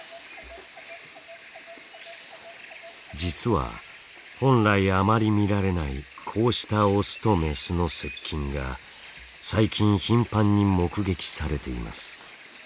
実は本来あまり見られないこうしたオスとメスの接近が最近頻繁に目撃されています。